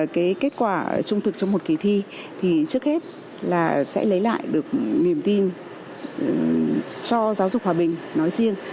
cái kết quả trung thực trong một kỳ thi thì trước hết là sẽ lấy lại được niềm tin cho giáo dục hòa bình nói riêng